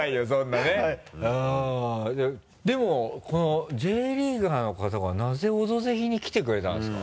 でもこのＪリーガーの方がなぜ「オドぜひ」に来てくれたんですか？